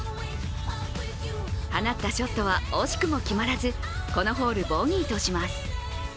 放ったショットは、惜しくも決まらず、このホール、ボギーとします。